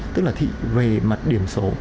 tức là thị về mặt điểm số